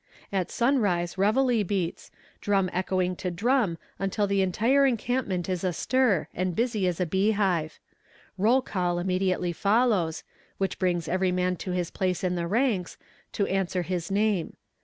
At sunrise reveille beats, drum echoing to drum until the entire encampment is astir, and busy as a bee hive. Roll call immediately follows, which brings every man to his place in the ranks, to answer to his name.